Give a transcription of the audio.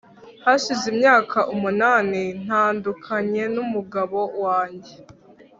hashize imyaka umunani ntandukanye n'umugabo wanjye